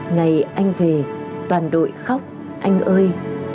ngày anh về toàn đội khóc anh ơi